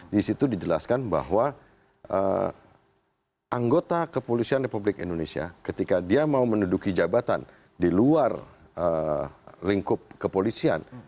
di situ dijelaskan bahwa anggota kepolisian republik indonesia ketika dia mau menduduki jabatan di luar lingkup kepolisian